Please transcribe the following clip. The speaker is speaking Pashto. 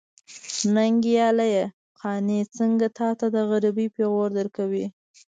ننګياله! قانع څنګه تاته د غريبۍ پېغور درکوي.